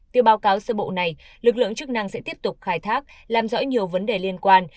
theo báo cáo sơ bộ này lực lượng chức năng sẽ tiếp tục khai thác làm rõ nhiều vấn đề liên quan